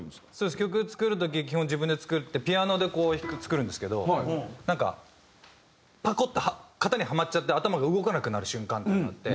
曲作る時基本自分で作ってピアノでこう曲作るんですけどなんかパコって型にハマっちゃって頭が動かなくなる瞬間っていうのがあって。